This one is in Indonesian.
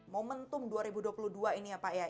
momentum dua ribu dua puluh dua ini ya pak ya